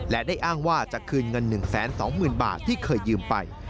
และได้อ้างว่าจะคืนเงิน๑๒๐๐๐บาทที่เคยยืมไป